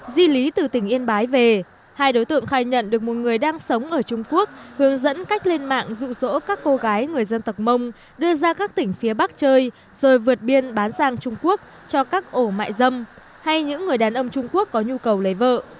di lý từ tỉnh yên bái về hai đối tượng khai nhận được một người đang sống ở trung quốc hướng dẫn cách lên mạng rụ rỗ các cô gái người dân tộc mông đưa ra các tỉnh phía bắc chơi rồi vượt biên bán sang trung quốc cho các ổ mại dâm hay những người đàn ông trung quốc có nhu cầu lấy vợ